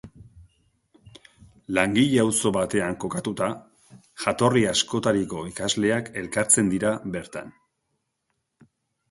Langile auzo batean kokatuta, jatorri askotariko ikasleak elkartzen dira bertan.